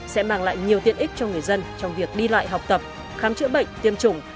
sẽ mang lại nhiều tiện ích cho người dân trong việc đi lại học tập khám chữa bệnh tiêm chủng